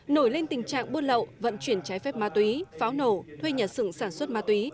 nổi lên tình trạng buôn lậu vận chuyển trái phép ma túy pháo nổ thuê nhà sửng sản xuất ma túy